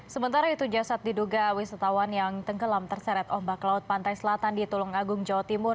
sementara itu jasad diduga wisatawan yang tenggelam terseret ombak laut pantai selatan di tulung agung jawa timur